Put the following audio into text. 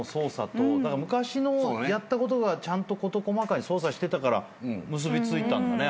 昔のやったことがちゃんと事細かに捜査してたから結び付いたんだね